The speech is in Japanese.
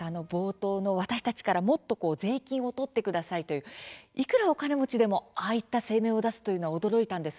冒頭の、私たちからもっと税金をとってくださいという、いくらお金持ちでもああいった声明を出すというのは驚きました。